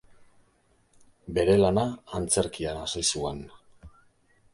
Bere lana antzerkian hasi zuen.